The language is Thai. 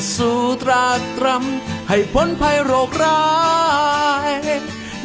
สู่ตรากรรมให้พ้นภัยโรคร้าย